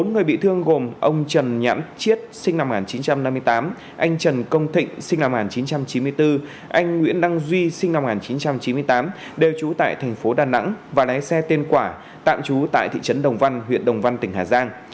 bốn người bị thương gồm ông trần nhãm chiết sinh năm một nghìn chín trăm năm mươi tám anh trần công thịnh sinh năm một nghìn chín trăm chín mươi bốn anh nguyễn đăng duy sinh năm một nghìn chín trăm chín mươi tám đều trú tại thành phố đà nẵng và lái xe tên quả tạm trú tại thị trấn đồng văn huyện đồng văn tỉnh hà giang